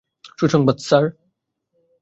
সুসংবাদ, স্যার।